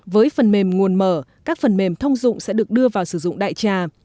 với phần mềm nguồn mở các phần mềm thông dụng sẽ được đưa vào sử dụng đại trà